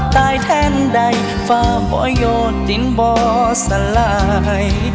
ตายแทนใดฟ้าบ่โยดดินบ่สลาย